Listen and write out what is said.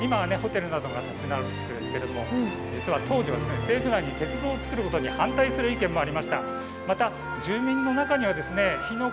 今はホテルなどが建ち並ぶ地域ですけれども実は当時は政府内に鉄道を作ることに反対する意見がありました。